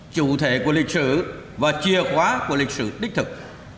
chủ thể của lịch sử và chìa khóa của lịch sử đích thực